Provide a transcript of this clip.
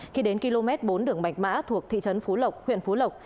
khi đến km bốn đường bạch mã thuộc thị trấn phú lộc huyện phú lộc